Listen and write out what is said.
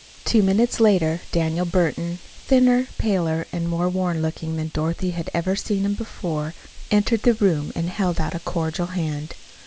Two minutes later Daniel Burton, thinner, paler, and more worn looking than Dorothy had ever seen him before, entered the room and held out a cordial hand.